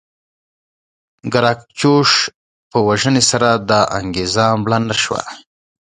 ګراکچوس په وژنې سره دا انګېزه مړه نه شوه.